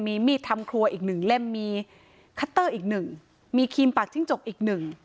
มีมีดทำครัวอีกหนึ่งเล่มมีคัตเตอร์อีกหนึ่งมีครีมปากจิ้งจกอีกหนึ่ง